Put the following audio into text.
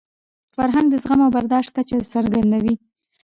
فرهنګ د زغم او برداشت کچه څرګندوي.